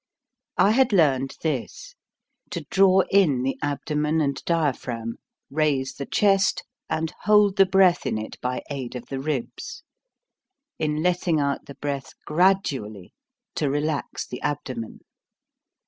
I had learned this : to draw in the abdomen and diaphragm, raise the chest and hold the breath in it by the aid of the ribs; in letting out the breath gradually to relax the abdomen.